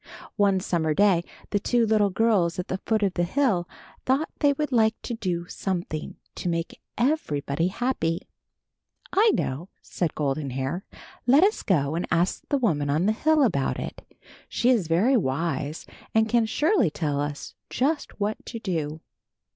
One summer day the two little girls at the foot of the hill thought they would like to do something to make everybody happy. "I know," said Golden Hair, "Let us go and ask the woman on the hill about it. She is very wise and can surely tell us just what to do."